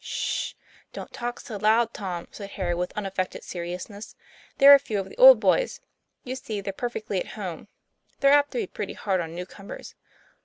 'Sh! don't talk so loud, Tom," said Harry, with unaffected seriousness. "They're a few of the old boys. You see they're perfectly at home. They're apt to be pretty hard on new comers."